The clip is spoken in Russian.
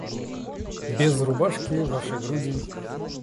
Без рубашки, ваши груди...